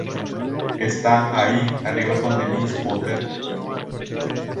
Está ahí arriba con Dennis Potter.